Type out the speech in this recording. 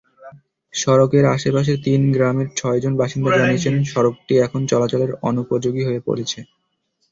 সড়কের আশপাশের তিন গ্রামের ছয়জন বাসিন্দা জানিয়েছেন, সড়কটি এখন চলাচলের অনুপযোগী হয়ে পড়েছে।